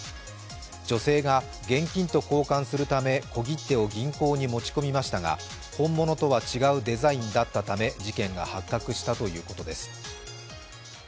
女性が現金と交換するため小切手を銀行に持ち込みましたが本物とは違うデザインだったため事件が発覚したということです。